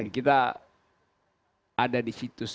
kita ada di situs